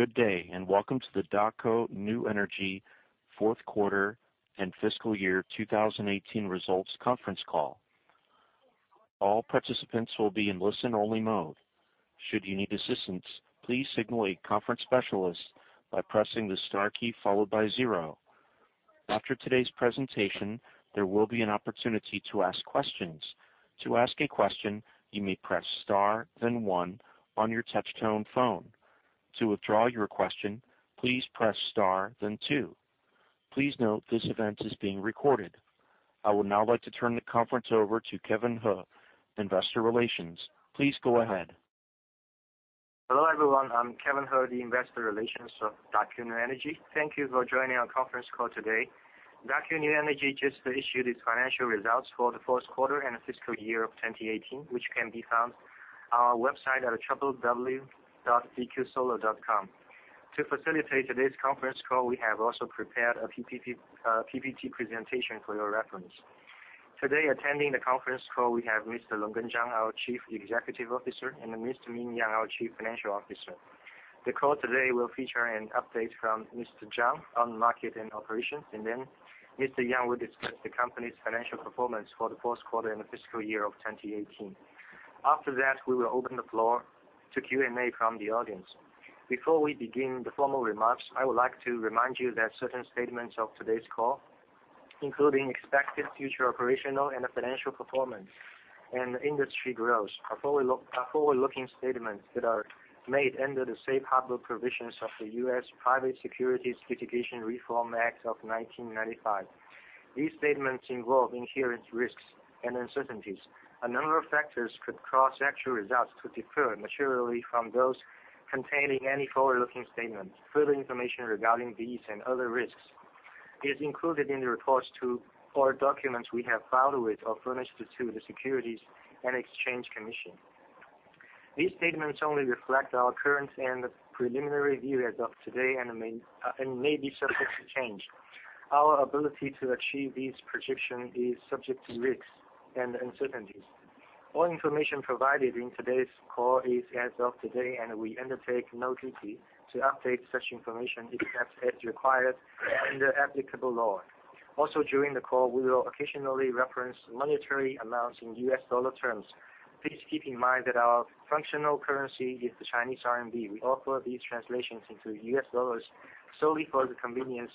Good day, and welcome to the Daqo New Energy 4th Quarter and Fiscal Year 2018 Results Conference Call. I would now like to turn the conference over to Kevin He, Investor Relations. Please go ahead. Hello, everyone. I'm Kevin He, the investor relations of Daqo New Energy. Thank you for joining our conference call today. Daqo New Energy just issued its financial results for the fourth quarter and fiscal year of 2018, which can be found on our website at www.dqsolar.com. To facilitate today's conference call, we have also prepared a PPT presentation for your reference. Today, attending the conference call, we have Mr. Longgen Zhang, our Chief Executive Officer, and Mr. Ming Yang, our Chief Financial Officer. The call today will feature an update from Mr. Zhang on market and operations, and then Mr. Yang will discuss the company's financial performance for the fourth quarter and fiscal year of 2018. After that, we will open the floor to Q&A from the audience. Before we begin the formal remarks, I would like to remind you that certain statements of today's call, including expected future operational and financial performance and industry growth, are forward-looking statements that are made under the safe harbor provisions of the U.S. Private Securities Litigation Reform Act of 1995. These statements involve inherent risks and uncertainties. A number of factors could cause actual results to differ materially from those containing any forward-looking statement. Further information regarding these and other risks is included in the reports to or documents we have filed with or furnished to the Securities and Exchange Commission. These statements only reflect our current and preliminary view as of today and may be subject to change. Our ability to achieve these projections is subject to risks and uncertainties. All information provided in today's call is as of today, and we undertake no duty to update such information, except as required under applicable law. Also, during the call, we will occasionally reference monetary amounts in US dollar terms. Please keep in mind that our functional currency is the Chinese RMB. We offer these translations into US dollars solely for the convenience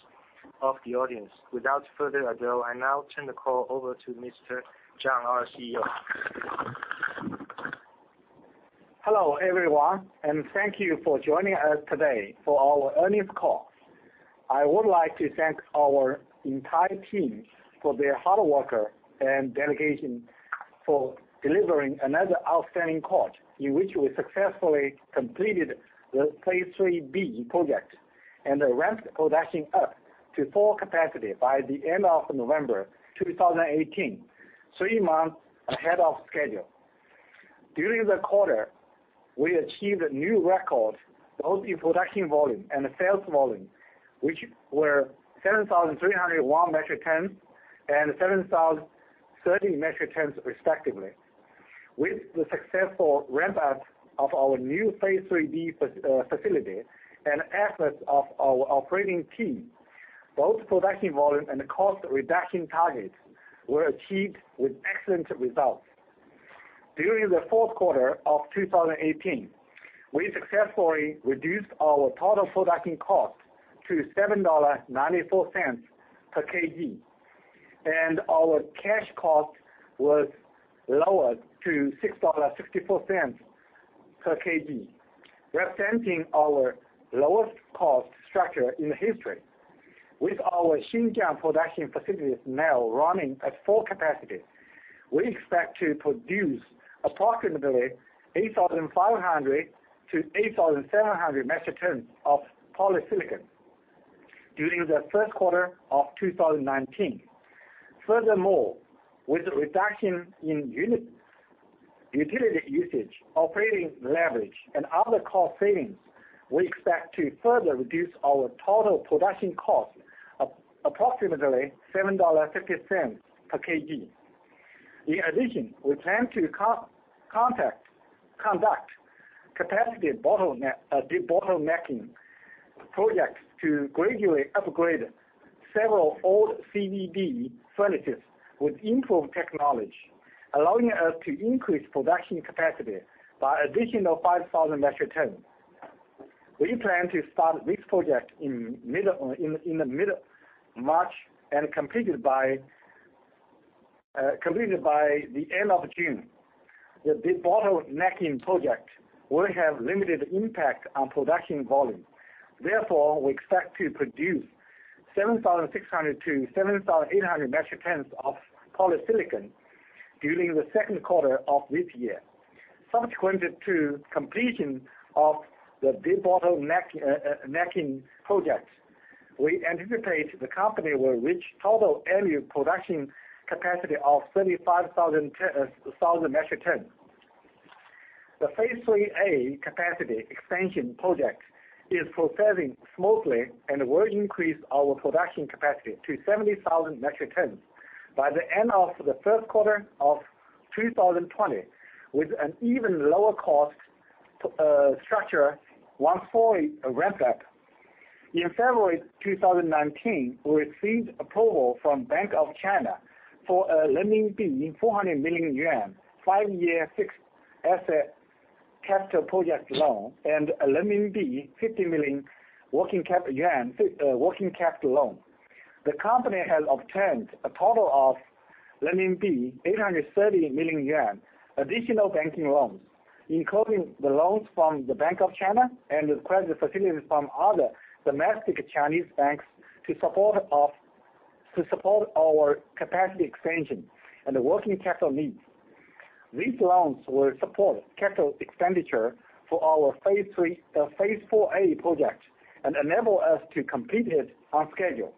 of the audience. Without further ado, I now turn the call over to Mr. Zhang, our CEO. Hello, everyone, and thank you for joining us today for our earnings call. I would like to thank our entire team for their hard work and dedication for delivering another outstanding quarter, in which we successfully completed the Phase 3B project and ramped production up to full capacity by the end of November 2018, three months ahead of schedule. During the quarter, we achieved a new record, both in production volume and sales volume, which were 7,301 metric tons and 7,030 metric tons respectively. With the successful ramp-up of our new Phase 3B facility and efforts of our operating team, both production volume and cost reduction targets were achieved with excellent results. During the fourth quarter of 2018, we successfully reduced our total production cost to $7.94 per kg, and our cash cost was lowered to $6.64 per kg, representing our lowest cost structure in history. With our Xinjiang production facilities now running at full capacity, we expect to produce approximately 8,500-8,700 metric tons of polysilicon during the first quarter of 2019. Furthermore, with the reduction in unit utility usage, operating leverage, and other cost savings, we expect to further reduce our total production cost approximately $7.50 per kg. In addition, we plan to conduct capacity debottlenecking projects to gradually upgrade several old CVD furnaces with improved technology, allowing us to increase production capacity by additional 5,000 metric tons. We plan to start this project in the middle March and completed by the end of June. The debottlenecking project will have limited impact on production volume. Therefore, we expect to produce 7,600 to 7,800 metric tons of polysilicon during the second quarter of this year. Subsequent to completion of the debottlenecking project, we anticipate the company will reach total annual production capacity of 35,000 metric tons. The Phase 3A capacity expansion project is progressing smoothly and will increase our production capacity to 70,000 metric tons by the end of the first quarter of 2020, with an even lower cost structure once fully ramped up. In February 2019, we received approval from Bank of China for a 400 million yuan, five-year fixed asset capital project loan and a 50 million yuan working capital loan. The company has obtained a total of 830 million yuan additional banking loans, including the loans from the Bank of China and the credit facilities from other domestic Chinese banks to support our capacity expansion and the working capital needs. These loans will support capital expenditure for our Phase 4A project and enable us to complete it on schedule.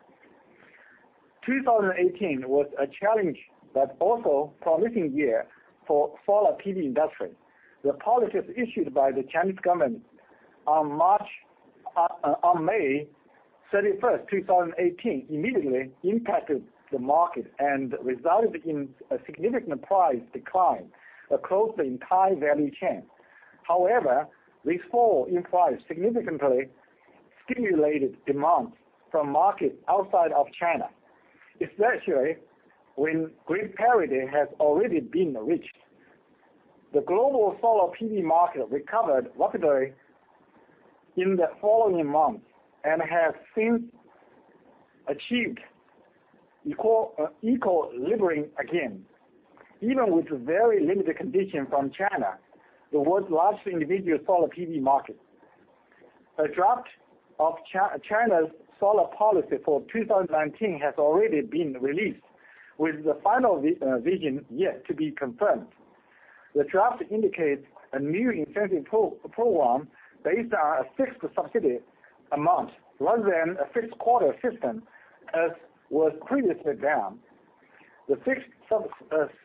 2018 was a challenge but also promising year for solar PV industry. The policies issued by the Chinese government on May 31, 2018, immediately impacted the market and resulted in a significant price decline across the entire value chain. However, this fall in price significantly stimulated demand from markets outside of China, especially when grid parity has already been reached. The global solar PV market recovered rapidly in the following months and has since achieved equilibrium again, even with very limited conditions from China, the world's largest individual solar PV market. A draft of China's solar policy for 2019 has already been released, with the final vision yet to be confirmed. The draft indicates a new incentive program based on a fixed subsidy amount rather than a fixed quarter system as was previously done. The fixed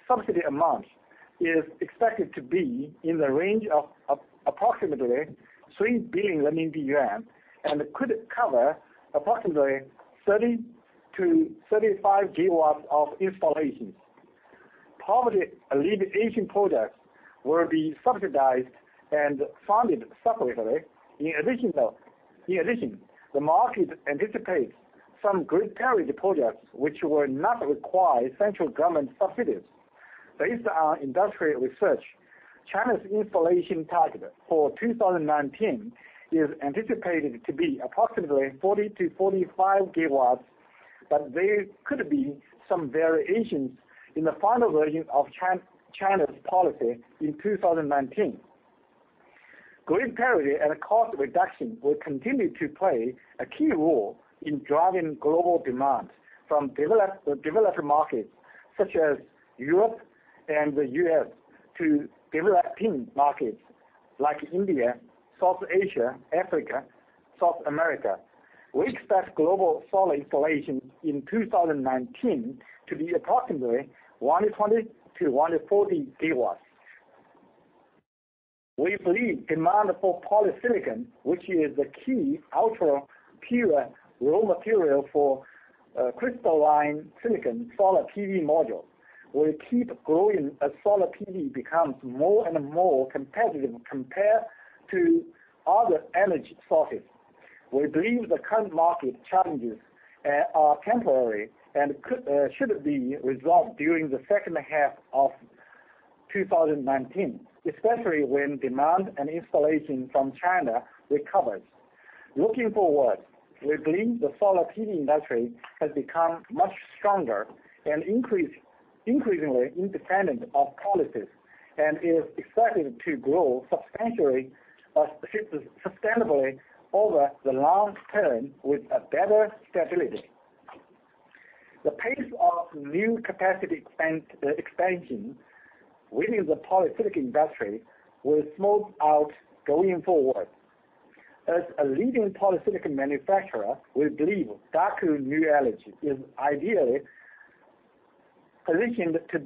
subsidy amount is expected to be in the range of approximately 3 billion renminbi and could cover approximately 30-35 GW of installations. Poverty alleviation projects will be subsidized and funded separately. In addition, the market anticipates some grid parity projects which will not require central government subsidies. Based on industry research, China's installation target for 2019 is anticipated to be approximately 40-45 GW, but there could be some variations in the final version of China's policy in 2019. Grid parity and cost reduction will continue to play a key role in driving global demand from developed markets such as Europe and the U.S. to developing markets like India, South Asia, Africa, South America. We expect global solar installations in 2019 to be approximately 120-140 GW. We believe demand for polysilicon, which is the key ultra-pure raw material for crystalline silicon solar PV modules, will keep growing as solar PV becomes more and more competitive compared to other energy sources. We believe the current market challenges are temporary and should be resolved during the second half of 2019, especially when demand and installation from China recovers. Looking forward, we believe the solar PV industry has become much stronger and increasingly independent of policies and is expected to grow substantially, sustainably over the long term with a better stability. The pace of new capacity expansion within the polysilicon industry will smooth out going forward. As a leading polysilicon manufacturer, we believe Daqo New Energy is ideally positioned to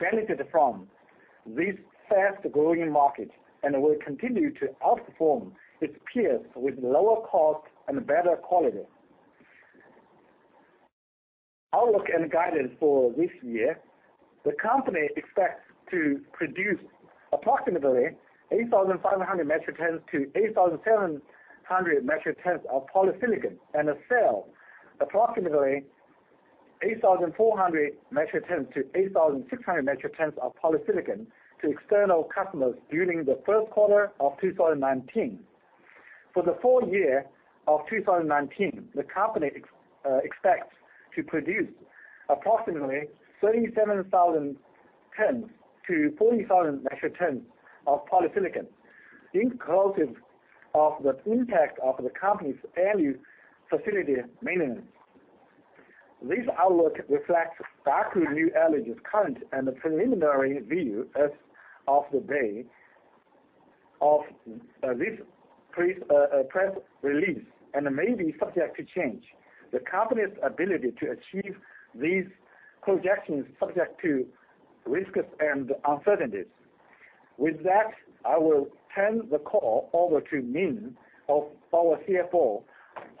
benefit from this fast-growing market and will continue to outperform its peers with lower cost and better quality. Outlook and guidance for this year. The company expects to produce approximately 8,500 metric tons-8,700 metric tons of polysilicon and sell approximately 8,400 metric tons-8,600 metric tons of polysilicon to external customers during the first quarter of 2019. For the full year of 2019, the company expects to produce approximately 37,000 tons-40,000 metric tons of polysilicon, inclusive of the impact of the company's annual facility maintenance. This outlook reflects Daqo New Energy's current and preliminary view as of the day of this press release and may be subject to change. The company's ability to achieve these projections subject to risks and uncertainties. With that, I will turn the call over to Ming, our CFO,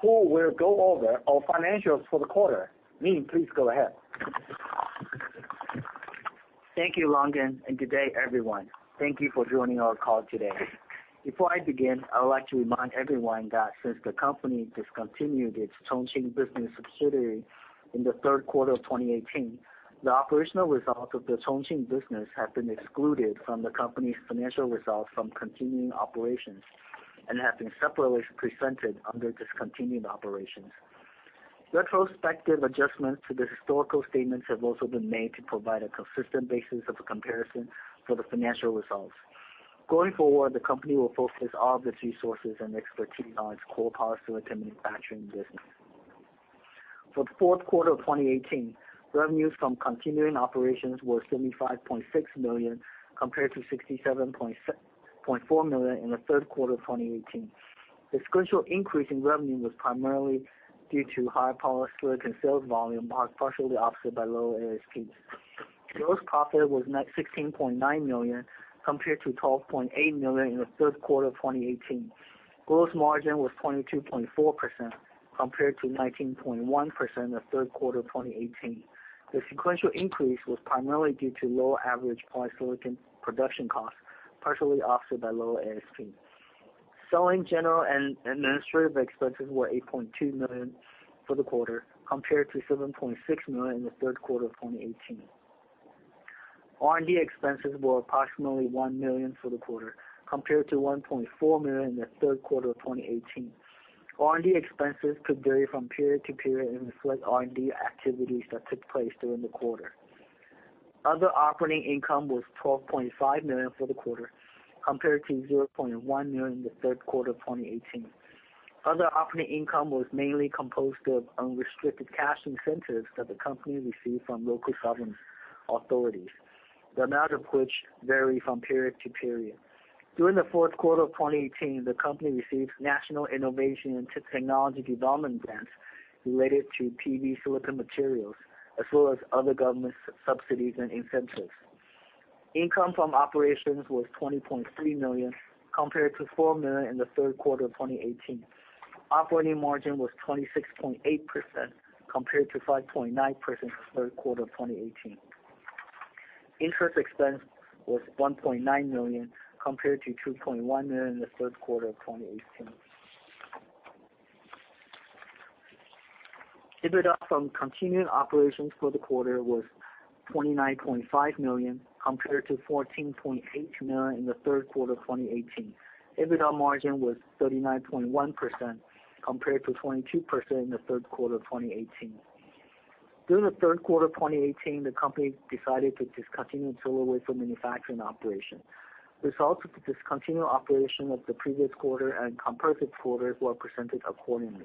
who will go over our financials for the quarter. Ming, please go ahead. Thank you, Longgen, and good day, everyone. Thank you for joining our call today. Before I begin, I would like to remind everyone that since the company discontinued its Chongqing business subsidiary in the third quarter of 2018, the operational results of the Chongqing business have been excluded from the company's financial results from continuing operations and have been separately presented under discontinued operations. Retrospective adjustments to the historical statements have also been made to provide a consistent basis of comparison for the financial results. Going forward, the company will focus all of its resources and expertise on its core polysilicon manufacturing business. For the fourth quarter of 2018, revenues from continuing operations were 75.6 million, compared to 67.4 million in the third quarter of 2018. The sequential increase in revenue was primarily due to higher polysilicon sales volume, partially offset by lower ASPs. Gross profit was net $16.9 million, compared to $12.8 million in the third quarter of 2018. Gross margin was 22.4%, compared to 19.1% in the third quarter of 2018. The sequential increase was primarily due to lower average polysilicon production costs, partially offset by lower ASP. Selling, general and administrative expenses were $8.2 million for the quarter, compared to $7.6 million in the third quarter of 2018. R&D expenses were approximately $1 million for the quarter, compared to $1.4 million in the third quarter of 2018. R&D expenses could vary from period to period and reflect R&D activities that took place during the quarter. Other operating income was 12.5 million for the quarter, compared to 0.1 million in the third quarter of 2018. Other operating income was mainly composed of unrestricted cash incentives that the company received from local government authorities, the amount of which vary from period to period. During the fourth quarter of 2018, the company received national innovation and technology development grants related to PV silicon materials as well as other government subsidies and incentives. Income from operations was 20.3 million, compared to 4 million in the third quarter of 2018. Operating margin was 26.8%, compared to 5.9% in the third quarter of 2018. Interest expense was 1.9 million, compared to 2.1 million in the third quarter of 2018. EBITDA from continuing operations for the quarter was 29.5 million, compared to 14.8 million in the third quarter of 2018. EBITDA margin was 39.1%, compared to 22% in the third quarter of 2018. During the third quarter of 2018, the company decided to discontinue solar wafer manufacturing operation. Results of the discontinued operation of the previous quarter and comparative quarters were presented accordingly.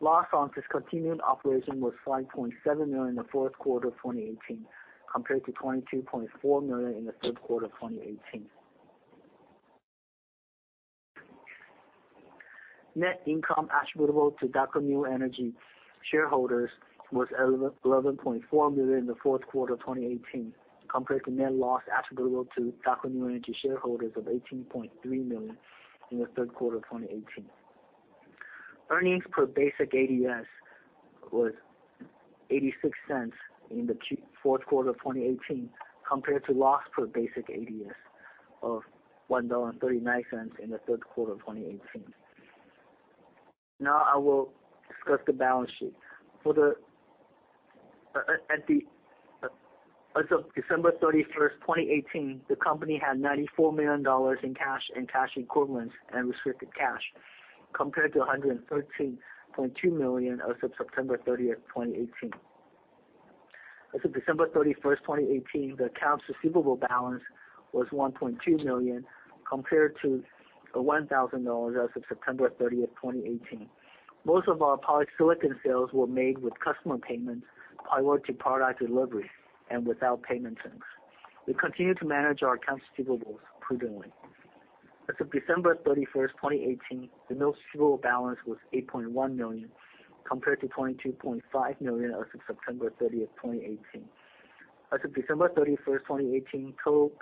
Loss on discontinued operation was 5.7 million in the fourth quarter of 2018, compared to 22.4 million in the third quarter of 2018. Net income attributable to Daqo New Energy shareholders was 11.4 million in the fourth quarter of 2018, compared to net loss attributable to Daqo New Energy shareholders of 18.3 million in the third quarter of 2018. Earnings per basic ADS was $0.86 in the 4th quarter of 2018, compared to loss per basic ADS of $1.39 in the 3rd quarter of 2018. Now I will discuss the balance sheet. As of December 31st, 2018, the company had $94 million in cash and cash equivalents and restricted cash, compared to $113.2 million as of September 30th, 2018. As of December 31st, 2018, the accounts receivable balance was $1.2 million, compared to $1,000 as of September 30th, 2018. Most of our polysilicon sales were made with customer payments prior to product delivery and without payment terms. We continue to manage our accounts receivables prudently. As of December 31st, 2018, the notes receivable balance was 8.1 million, compared to 22.5 million as of September 30th, 2018. As of December 31st, 2018, total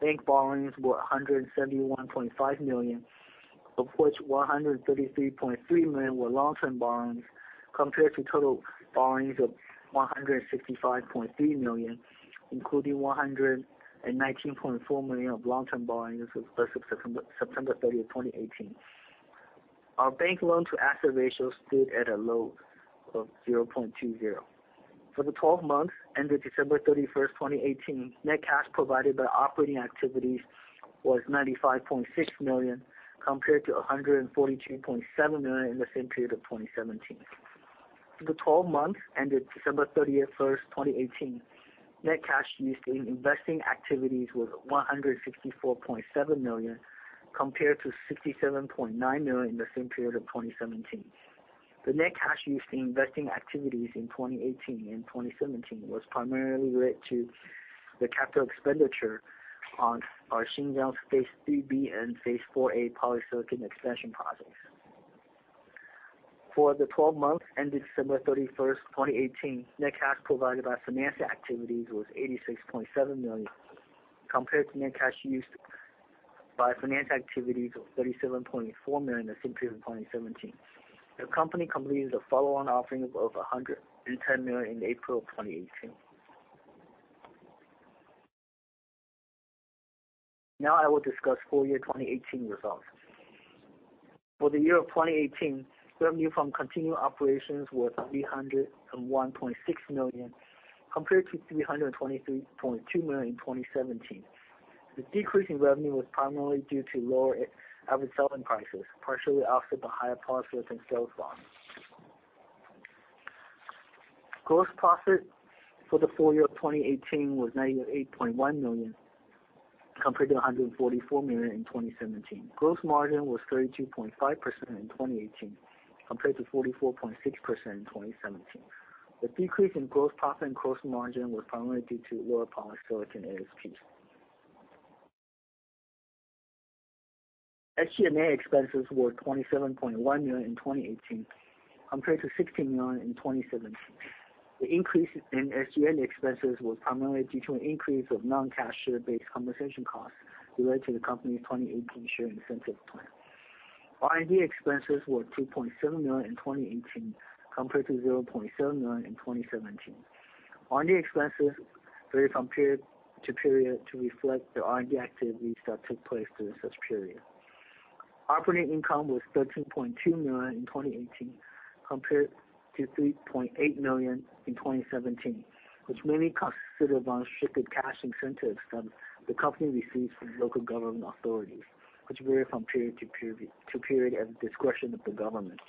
bank borrowings were 171.5 million, of which 133.3 million were long-term borrowings, compared to total borrowings of 165.3 million, including 119.4 million of long-term borrowings as of September 30th, 2018. Our bank loan to asset ratio stood at a low of 0.20. For the 12 months ended December 31st, 2018, net cash provided by operating activities was 95.6 million, compared to 142.7 million in the same period of 2017. For the 12 months ended December 31, 2018, net cash used in investing activities was 164.7 million, compared to 67.9 million in the same period of 2017. The net cash used in investing activities in 2018 and 2017 was primarily related to the capital expenditure on our Xinjiang Phase 3B and Phase 4A polysilicon expansion projects. For the 12 months ended December 31, 2018, net cash provided by financing activities was 86.7 million, compared to net cash used by financing activities of 37.4 million the same period in 2017. The company completed a follow-on offering of over 110 million in April 2018. I will discuss full year 2018 results. For the year of 2018, revenue from continuing operations was 301.6 million, compared to 323.2 million in 2017. The decrease in revenue was primarily due to lower average selling prices, partially offset by higher polysilicon sales volume. Gross profit for the full year of 2018 was 98.1 million, compared to 144 million in 2017. Gross margin was 32.5% in 2018, compared to 44.6% in 2017. The decrease in gross profit and gross margin was primarily due to lower polysilicon ASPs. SG&A expenses were 27.1 million in 2018, compared to 16 million in 2017. The increase in SG&A expenses was primarily due to an increase of non-cash share-based compensation costs related to the company's 2018 share incentive plan. R&D expenses were 2.7 million in 2018, compared to 0.7 million in 2017. R&D expenses vary from period to period to reflect the R&D activities that took place during such period. Operating income was 13.2 million in 2018, compared to 3.8 million in 2017, which mainly consisted of unrestricted cash incentives that the company receives from local government authorities, which vary from period to period at the discretion of the government.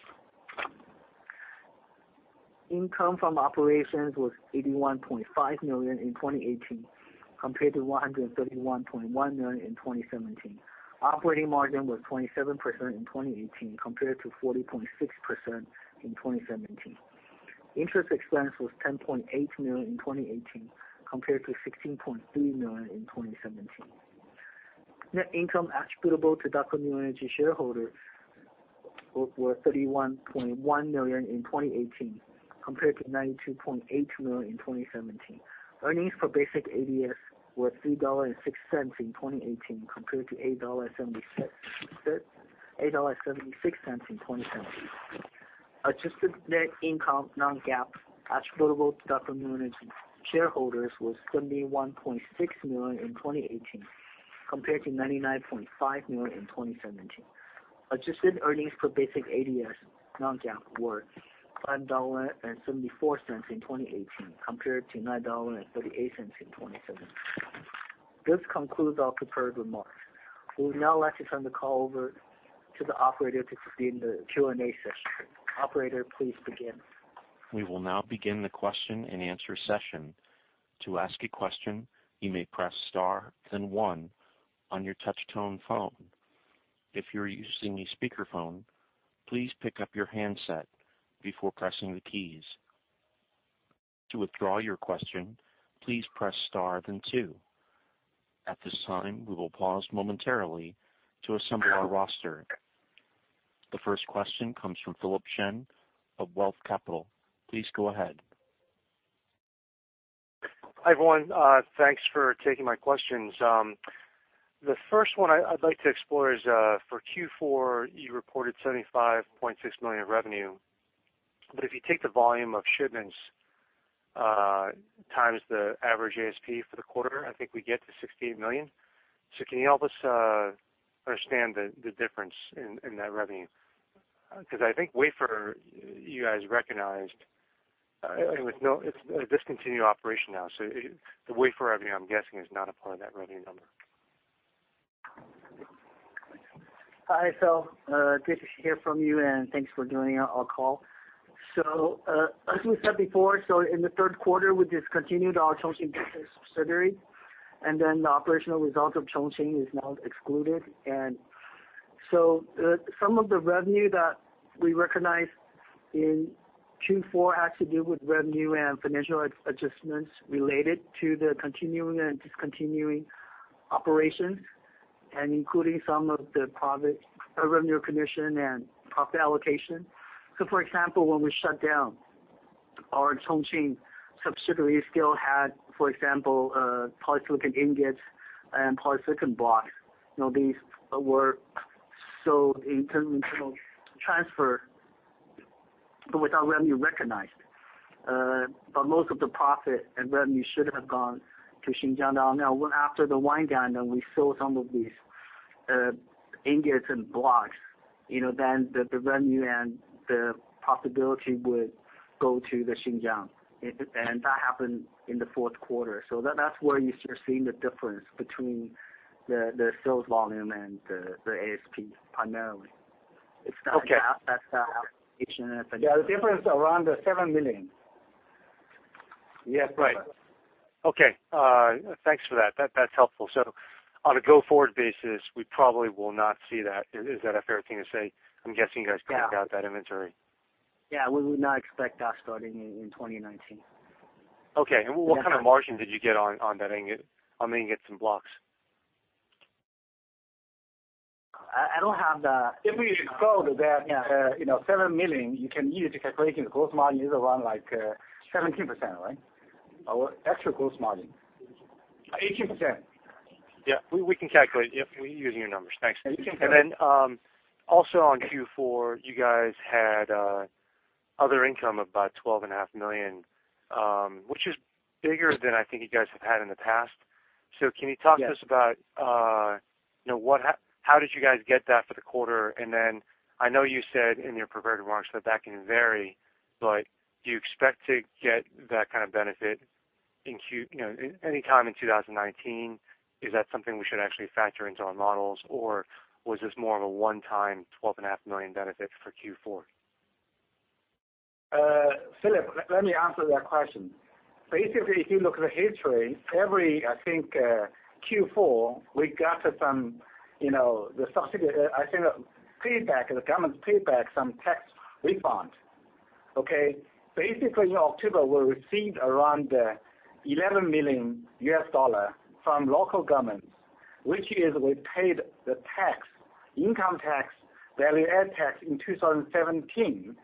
Income from operations was 81.5 million in 2018, compared to 131.1 million in 2017. Operating margin was 27% in 2018, compared to 40.6% in 2017. Interest expense was 10.8 million in 2018, compared to 16.3 million in 2017. Net income attributable to Daqo New Energy shareholders were $31.1 million in 2018, compared to $92.8 million in 2017. Earnings per basic ADS were $3.06 in 2018, compared to $8.76 in 2017. Adjusted net income non-GAAP attributable to Daqo New Energy shareholders was $71.6 million in 2018, compared to $99.5 million in 2017. Adjusted earnings per basic ADS non-GAAP were $5.74 in 2018, compared to $9.38 in 2017. This concludes our prepared remarks. We would now like to turn the call over to the operator to begin the Q&A session. Operator, please begin. The first question comes from Philip Shen of ROTH Capital. Please go ahead. Hi, everyone. Thanks for taking my questions. The first one I'd like to explore is, for Q4, you reported $75.6 million in revenue. If you take the volume of shipments, times the average ASP for the quarter, I think we get to $68 million. Can you help us understand the difference in that revenue? I think wafer you guys recognized, it's a discontinued operation now. The wafer revenue, I'm guessing, is not a part of that revenue number. Hi, Phil. good to hear from you, and thanks for joining our call. As we said before, in the third quarter, we discontinued our Chongqing subsidiary, and then the operational results of Chongqing is now excluded. Some of the revenue that we recognized in Q4 has to do with revenue and financial adjustments related to the continuing and discontinuing operations, and including some of the profit, revenue recognition and profit allocation. For example, when we shut down our Chongqing subsidiary, still had, for example, polysilicon ingots and polysilicon blocks. These were sold in terms of internal transfer, but without revenue recognized. Most of the profit and revenue should have gone to Xinjiang. Now, after the wind down and we sold some of these ingots and blocks, then the revenue and the profitability would go to the Xinjiang. That happened in the fourth quarter. That's where you start seeing the difference between the sales volume and the ASP, primarily. Okay. It's not- Yeah. That's the allocation. Yeah, the difference around the 7 million. Yes. Right. Okay. Thanks for that. That's helpful. On a go-forward basis, we probably will not see that. Is that a fair thing to say? Yeah. cleared out that inventory. Yeah, we would not expect that starting in 2019. Okay. What kind of margin did you get on that ingot, on the ingots and blocks? I don't have the. If we go with that 7 million, you can use it to calculating the gross margin is around like, 17%, right? Our extra gross margin. 18%. Yeah. We can calculate. Yep, we're using your numbers. Thanks. You can calculate. Also on Q4, you guys had other income of about twelve and a half million, which is bigger than I think you guys have had in the past. Can you talk to us about, how did you guys get that for the quarter? I know you said in your prepared remarks that that can vary, but do you expect to get that kind of benefit in Q anytime in 2019? Is that something we should actually factor into our models, or was this more of a one-time twelve and a half million benefit for Q4? Philip, let me answer that question. Basically, if you look at the history, every, I think, Q4, we got some, the subsidy, I think a payback, the government payback some tax refund, okay. Basically, in October, we received around $11 million from local governments, which is we paid the tax, income tax, value-add tax in 2017.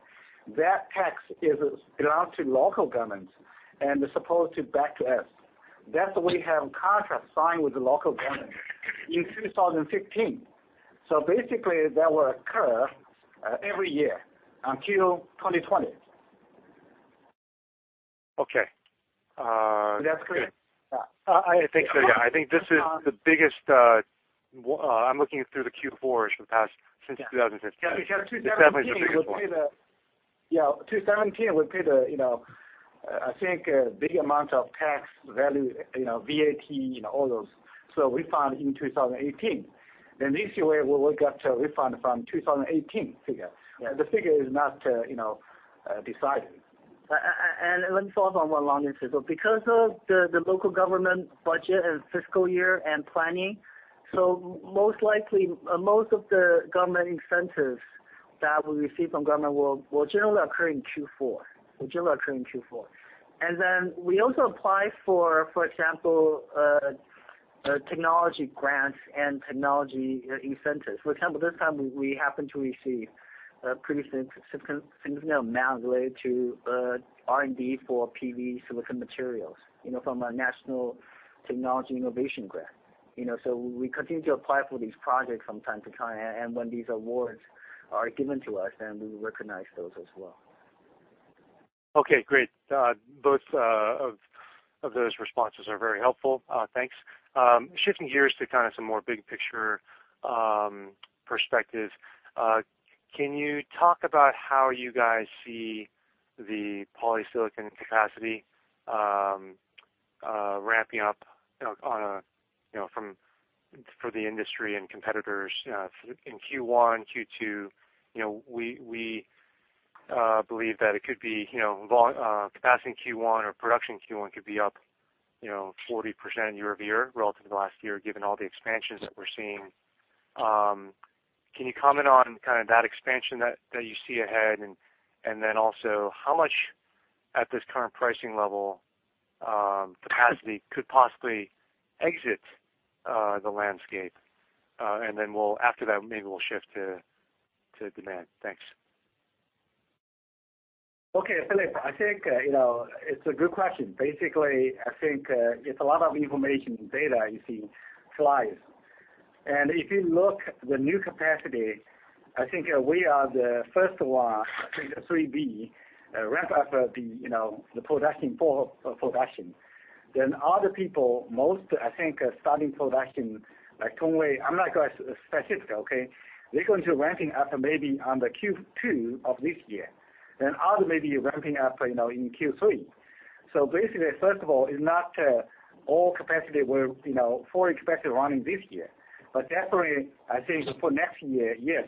That tax belongs to local governments and is supposed to back to us. That we have contract signed with the local government in 2015. Basically, that will occur every year until 2020. Okay. Is that clear? I think so, yeah. I think this is the biggest, I'm looking through the Q4s for the past since 2016. This definitely is the biggest one. Yeah, 2017, we paid a, I think a big amount of tax value, VAT and all those. Refund in 2018. This year, we will get a refund from 2018 figure. The figure is not decided. Let me follow up on one line here, Phil. Because of the local government budget and fiscal year and planning, so most likely, most of the government incentives that we receive from government will generally occur in Q4. Will generally occur in Q4. Then we also apply for example, technology grants and technology incentives. For example, this time we happen to receive a pretty significant amount related to R&D for PV silicon materials from a national technology innovation grant. We continue to apply for these projects from time to time. When these awards are given to us, then we recognize those as well. Okay, great. Both of those responses are very helpful. Thanks. Shifting gears to kind of some more big picture perspective, can you talk about how you guys see the polysilicon capacity ramping up on a from for the industry and competitors in Q1, Q2? We believe that it could be capacity in Q1 or production in Q1 could be up 40% year-over-year relative to last year given all the expansions that we're seeing. Can you comment on kind of that expansion that you see ahead? Also, how much at this current pricing level capacity could possibly exit the landscape? After that, maybe we'll shift to demand. Thanks. Okay, Philip, I think it's a good question. I think, it's a lot of information data you see slides. If you look the new capacity, I think, we are the first one, I think the 3B ramp up the production for production. Other people, most, I think, starting production like Tongwei, I'm not going specific, okay? They're going to ramping up maybe on the Q2 of this year. Others may be ramping up in Q3. First of all, it's not all capacity will fully expected running this year. Definitely, I think for next year, yes,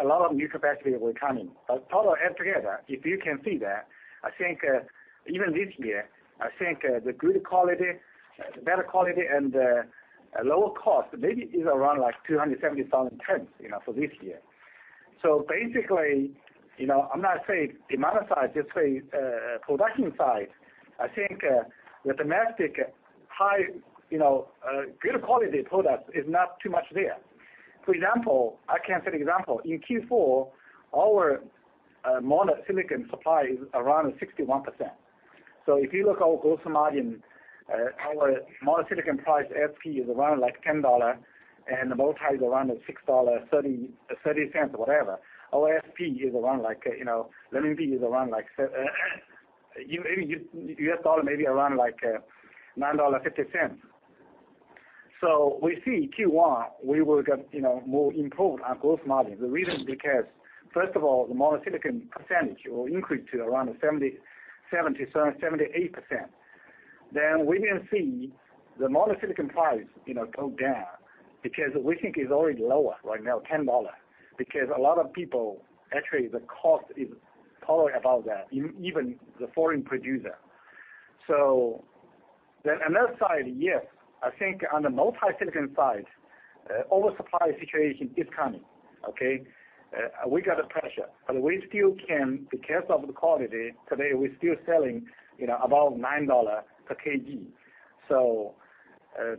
a lot of new capacity will come in. Total altogether, if you can see that, I think, even this year, I think, the good quality, the better quality and the lower cost maybe is around like 270,000 tons for this year. Basically, I'm not saying amount of size, just saying production size. I think, the domestic high, good quality product is not too much there. For example, I can say example. In Q4, our mono silicon supply is around 61%. If you look our gross margin, our mono silicon price SP is around like CNY 10 and the multi is around CNY 6.30 or whatever. Our SP is around like renminbi is around like US dollar maybe around like $9.50. We see Q1, we will get more improved on gross margin. The reason because, first of all, the mono silicon percentage will increase to around 70%, 78%. We didn't see the mono silicon price go down because we think it's already lower right now, CNY 10. A lot of people, actually the cost is probably about that, even the foreign producer. Another side, yes, I think on the multi-silicon side, oversupply situation is coming. Okay? We got a pressure, but we still can, because of the quality today, we're still selling about CNY 9 per kg.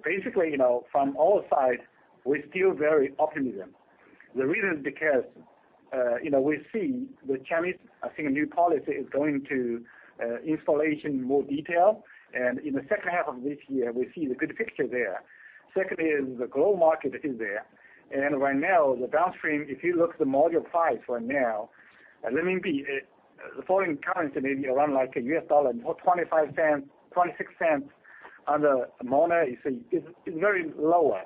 Basically, from all sides, we're still very optimistic. The reason is because we see the Chinese, I think a new policy is going to installation in more detail. In the second half of this year, we see the good picture there. Second is the global market is there. Right now, the downstream, if you look the module price right now, renminbi, the foreign currency may be around like a US dollar, about $0.25-$0.26. On the mono, you see it's very lower.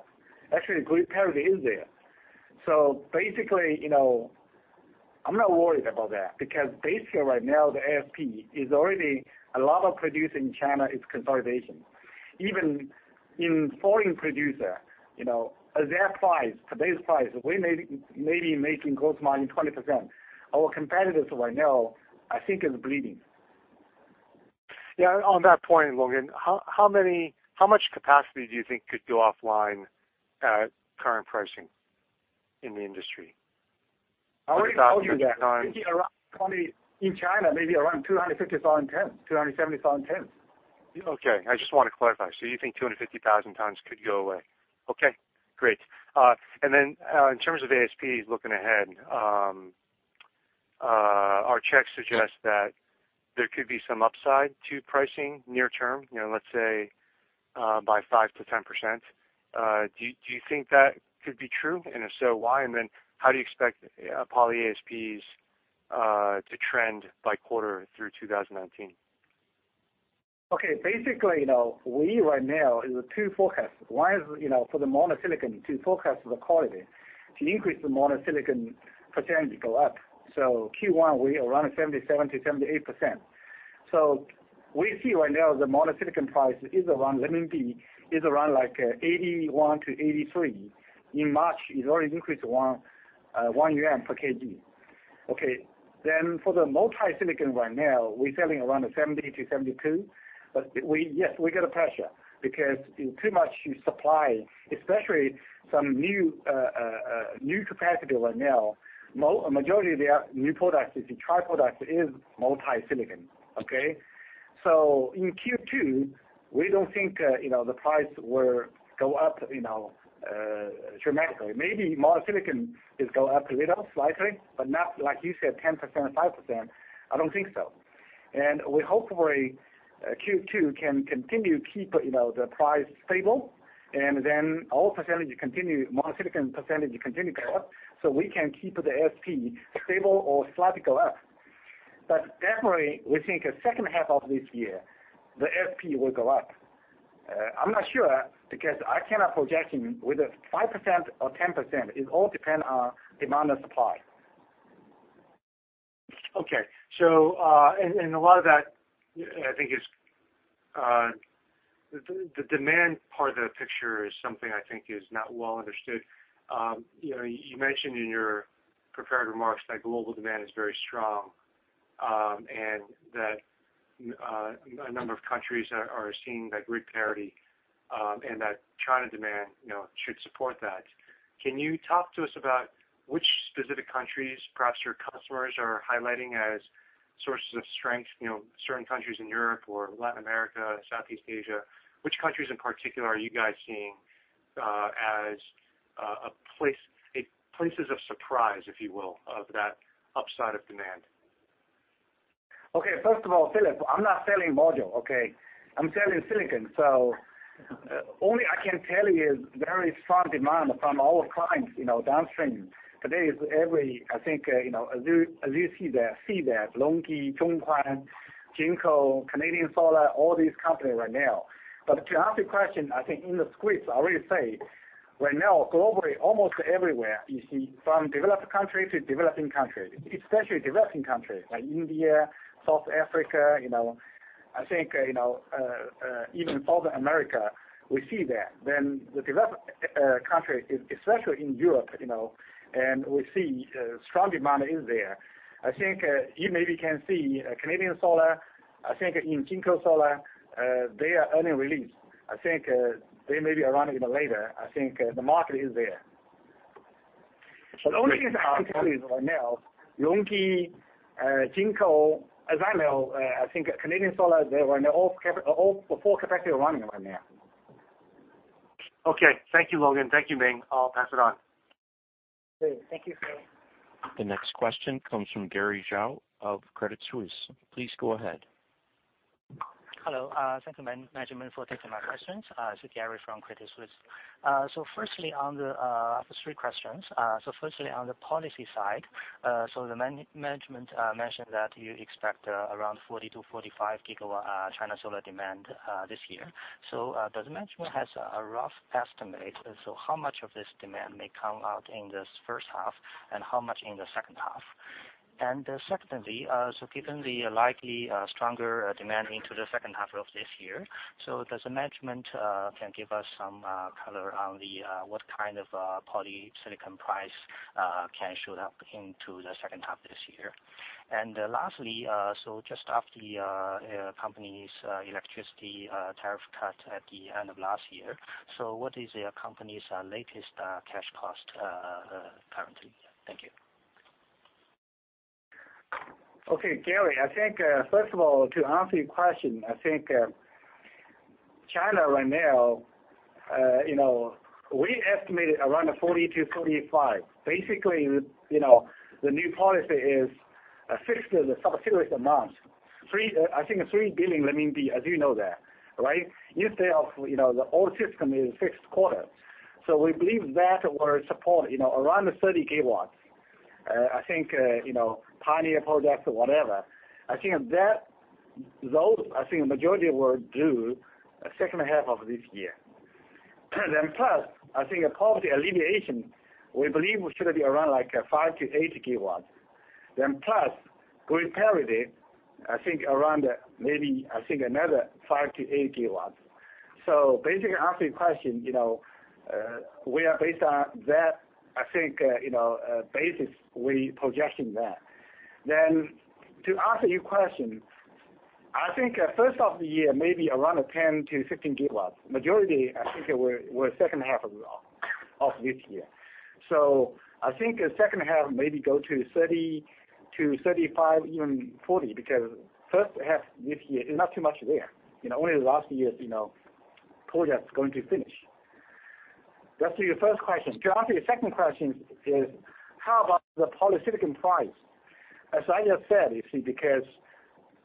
Actually, grid parity is there. Basically, I'm not worried about that because basically right now, the ASP is already a lot of produce in China is consolidation. Even in foreign producer, as their price, today's price, we may be making gross margin 20%. Our competitors right now I think is bleeding. Yeah. On that point, Longgen Zhang, how much capacity do you think could go offline at current pricing in the industry? I already told you that. About twenty nine- I think around 20 In China, maybe around 250,000 tons, 270,000 tons. Okay. I just wanna clarify. You think 250,000 tons could go away? Okay, great. In terms of ASPs looking ahead, our checks suggest that there could be some upside to pricing near term, let's say, by 5%-10%. Do you think that could be true? If so, why? How do you expect poly ASPs to trend by quarter through 2019? Basically, we right now is two forecasts. One is for the monocrystalline silicon, to forecast the quality. To increase the monocrystalline silicon percentage go up. Q1, we around 77%-78%. We see right now the monocrystalline silicon price is around 81-83. In March, it's already increased 1 yuan per kg. Then for the multicrystalline silicon right now, we're selling around 70-72. Yes, we got a pressure because in too much you supply, especially some new capacity right now. A majority of their new products is the [tri-product] is multicrystalline silicon. In Q2, we don't think the price will go up dramatically. Maybe mono-silicon is go up a little slightly, but not like you said, 10% or 5%, I don't think so. We hopefully, Q2 can continue keep the price stable, and then all percentage continue, mono-silicon percentage continue go up, so we can keep the ASP stable or slightly go up. Definitely, we think a second half of this year, the ASP will go up. I'm not sure because I cannot project whether 5% or 10%. It all depend on demand and supply. Okay. A lot of that, I think is, the demand part of the picture is something I think is not well understood. You mentioned in your prepared remarks that global demand is very strong, and that a number of countries are seeing that grid parity, and that China demand should support that. Can you talk to us about which specific countries, perhaps your customers are highlighting as sources of strength, certain countries in Europe or Latin America, Southeast Asia? Which countries in particular are you guys seeing as places of surprise, if you will, of that upside of demand? First of all, Philip, I'm not selling module, okay? I'm selling silicon. Only I can tell you is very strong demand from all clients downstream. Today is every, I think, as you see that LONGi, Zhonghuan, Jinko, Canadian Solar, all these company right now. To answer your question, I think in the script, I already say right now globally, almost everywhere you see from developed country to developing country, especially developing country like India, South Africa. I think even North America, we see that. The developed country, especially in Europe, and we see strong demand is there. I think, you maybe can see Canadian Solar, I think in Jinko Solar, they are earning release. I think, they may be around even later. I think, the market is there. The only thing I can tell you is right now, LONGi, Jinko, as I know, I think Canadian Solar, they were in full capacity running right now. Okay. Thank you, Longgen. Thank you, Ming. I'll pass it on. Great. Thank you, Philip. The next question comes from Gary Zhou of Credit Suisse. Please go ahead. Hello. Thank you man-management for taking my questions. It's Gary Zhou from Credit Suisse. Three questions. Firstly, on the policy side, the man-management mentioned that you expect around 40-45 GW China solar demand this year. Does management has a rough estimate? How much of this demand may come out in this first half, and how much in the second half? Secondly, given the likely stronger demand into the second half of this year, does the management can give us some color on the what kind of polysilicon price can show up into the second half this year? Lastly, just after the company's electricity tariff cut at the end of last year, what is the company's latest cash cost currently? Thank you. Okay, Gary, I think, first of all, to answer your question, I think, China right now, we estimated around 40-45. Basically, the new policy is a fixed, specific amount. I think a 3 billion, as you know that, right? Instead of the old system is fixed quarter. We believe that will support around 30 GW. I think, pioneer projects or whatever. I think that those, I think the majority will do second half of this year. Plus, I think a poverty alleviation, we believe should be around like 5-8 GW. Plus, grid parity, I think around maybe, I think another 5-8 GW. Basically, to answer your question, we are based on that, I think, basis we projection that. To answer your question, I think, first half of the year, maybe around 10-15 GW. Majority, I think it will second half of this year. I think second half maybe go to 30-35, even 40, because first half this year is not too much there. Only last year's projects going to finish. That's for your first question. To answer your second question is how about the polysilicon price? As I just said, you see, because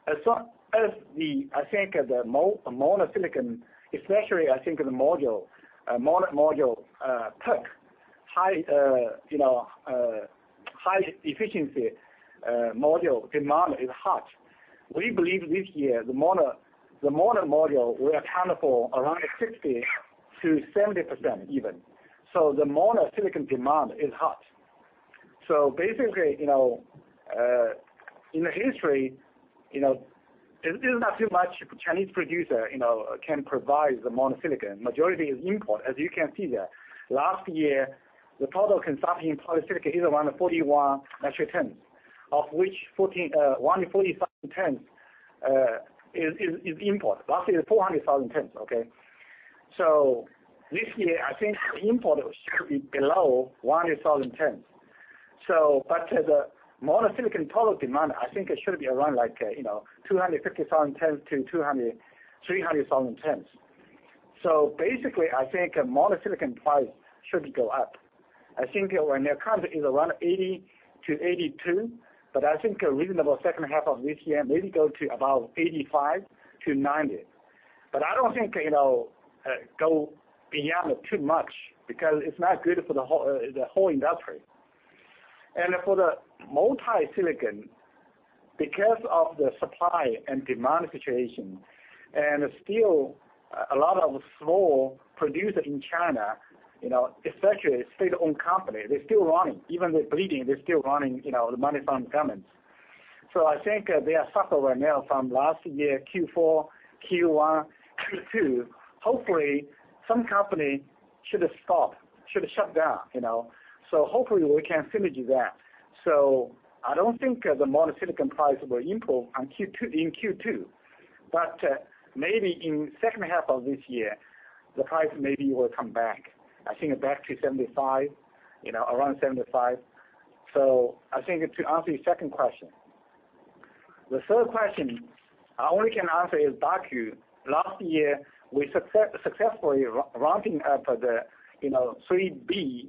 as long as the, I think the monocrystalline silicon, especially I think the module, mono module, PERC high, high efficiency module demand is hot. We believe this year the mono module will account for around 60%-70% even. The monosilicon demand is hot. Basically, in the history there's not too much Chinese producer can provide the monosilicon. Majority is import, as you can see that. Last year, the total consumption in polysilicon is around 41 metric tons, of which 147 tons is import. Last year, 400,000 tons, okay? This year, I think import should be below 1,000 tons. But the monosilicon total demand, I think it should be around like 250,000 tons-300,000 tons. Basically, I think monosilicon price should go up. I think when they come, it's around 80-82. I think a reasonable second half of this year, maybe go to about 85-90. I don't think, go beyond too much because it's not good for the whole industry. For the multicrystalline silicon, because of the supply and demand situation, and still a lot of small producer in China especially state-owned company, they're still running. Even they're bleeding, they're still running the money from governments. I think they are suffer right now from last year Q4, Q1, Q2. Hopefully, some company should stop, should shut down. Hopefully, we can finish that. I don't think the monocrystalline silicon price will improve in Q2. Maybe in second half of this year, the price maybe will come back, I think back to 75, around 75. I think to answer your second question. The third question, all we can answer is Daqo. Last year, we successfully ramping up the Phase 3B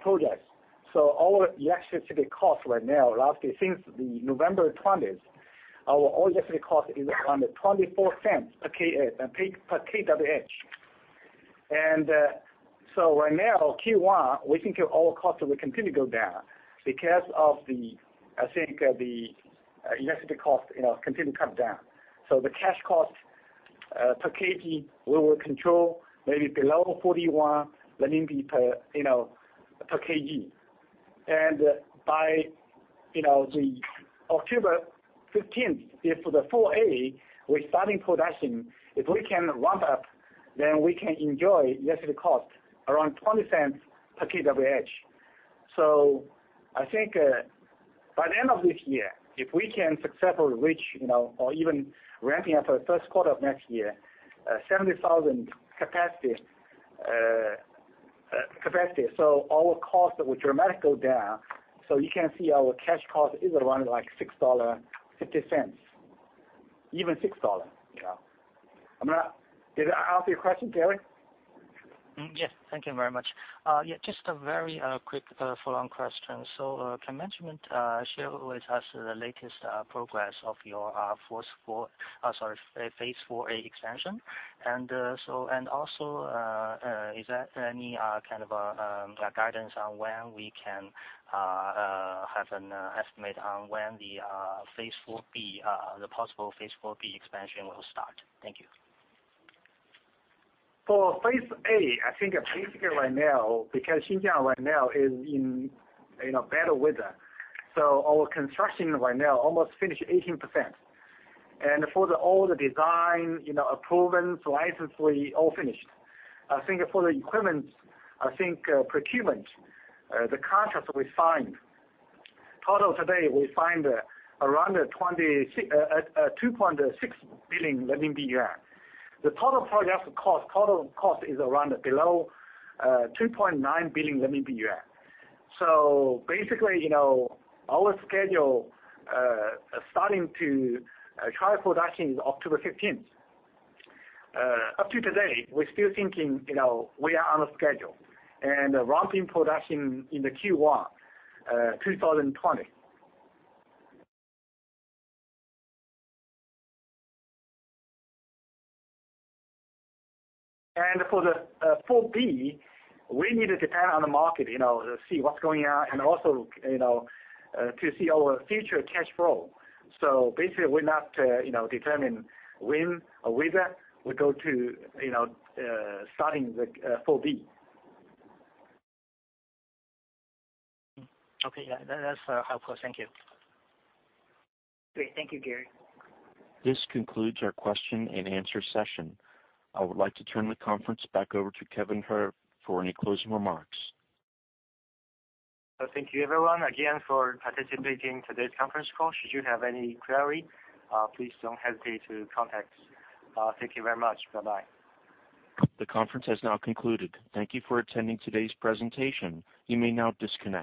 projects. Our electricity cost right now, last year since the November 20th, our electricity cost is around 0.24 per kWh. Right now, Q1, we think our cost will continue to go down because of the, I think, the electricity cost continue to come down. The cash cost per kg, we will control maybe below 41 per kg. By, the October 15th, if the 4A, we're starting production, if we can ramp up, then we can enjoy electricity cost around 0.20 per kWh. I think, by the end of this year, if we can successfully reach or even ramping up the first quarter of next year, 70,000 capacity. Our cost will dramatically go down. You can see our cash cost is around like CNY 6.50, even CNY 6. Yeah. Did I answer your question, Gary? Yes. Thank you very much. yeah, just a very quick follow-on question. Can management share with us the latest progress of your Phase 4A expansion? Also, is there any kind of guidance on when we can have an estimate on when the Phase 4B, the possible Phase 4B expansion will start? Thank you. For phase A, I think basically right now, because Xinjiang is in a better weather. Our construction right now almost finished 18%. For the all the design, approvals, license, we all finished. I think for the equipment procurement, the contract we signed, total today we signed around 2.6 billion yuan. The total project cost is around below 2.9 billion yuan. Basically, our schedule starting to try production is October 15th. Up to today, we're still thinking, we are on a schedule. Ramping production in the Q1 2020. For the 4B, we need to depend on the market to see what's going on and also to see our future cash flow. Basically, we're not determine when or whether we go to starting the 4B. Okay. Yeah. That's helpful. Thank you. Great. Thank you, Gary. This concludes our question-and-answer session. I would like to turn the conference back over to Kevin He for any closing remarks. Thank you everyone again for participating in today's conference call. Should you have any query, please don't hesitate to contact us. Thank you very much. Bye-bye. The conference has now concluded. Thank you for attending today's presentation. You may now disconnect.